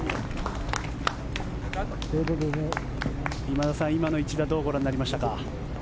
今田さん、今の一打どうご覧になりましたか。